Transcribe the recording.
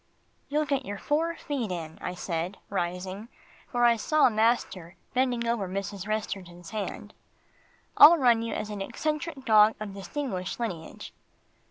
"You'll get your four feet in," I said, rising, for I saw master bending over Mrs. Resterton's hand. "I'll run you as an eccentric dog of distinguished lineage."